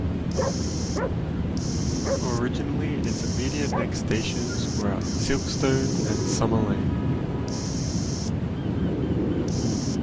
Originally its immediate next stations were at Silkstone and Summer Lane.